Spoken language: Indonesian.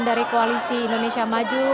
dari koalisi indonesia maju